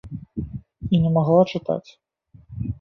І не магла чытаць.